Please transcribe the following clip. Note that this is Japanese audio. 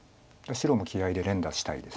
白も気合いで連打したいです